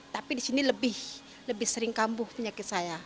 tapi di sini lebih sering kambuh penyakit saya